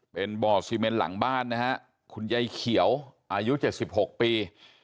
เป็นบ่อเซเมนหลังบ้านนะฮะคุณใยเขียวอายุเจ็ดสิบหกปี